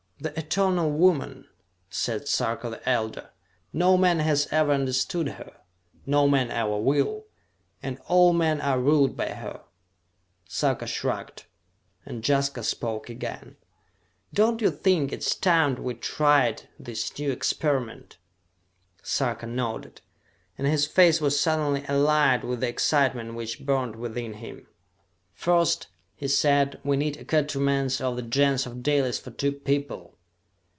"The eternal woman!" said Sarka the Elder. "No man has ever understood her no man ever will! And all men are ruled by her!" Sarka shrugged, and Jaska spoke again. "Don't you think it is time we tried this new experiment?" Sarka nodded, and his face was suddenly alight with the excitement which burned within him. "First," he said, "we need accoutrements of the Gens of Dalis for two people!"